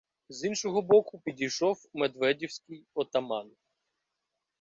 З іншого боку підійшов медведівський отаман.